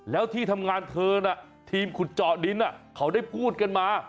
แล้วที่ทำงานเธอน่ะทีมขุดเจาะดินเขาได้พูดกันมา